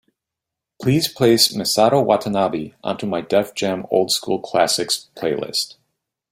Please place Misato Watanabe onto my Def Jam Old School Classics playlist.